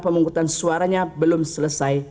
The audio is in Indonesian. pemungkutan suaranya belum selesai